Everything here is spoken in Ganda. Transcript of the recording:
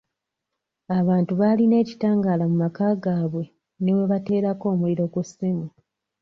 Abantu baalina ekitangaala mu maka gaabwe ne we bateerako omuliro ku ssimu.